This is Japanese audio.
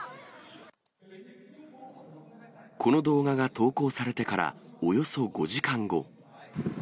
この動画が投稿されてからおよそ５時間後。